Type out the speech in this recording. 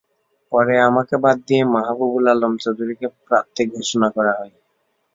পরে আমাকে বাদ দিয়ে মাহবুবুল আলম চৌধুরীকে প্রার্থী ঘোষণা করা হয়।